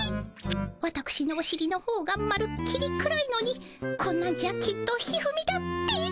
わたくしのおしりのほうがまるっきり暗いのにこんなんじゃきっと一二三だって。